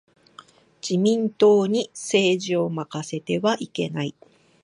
自民党に政治を任せてはいけない。